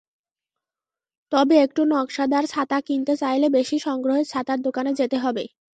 তবে একটু নকশাদার ছাতা কিনতে চাইলে বেশি সংগ্রহের ছাতার দোকানে যেতে হবে।